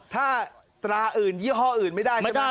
ถ้าตราอื่นยี่ห้ออื่นไม่ได้ใช่ไหม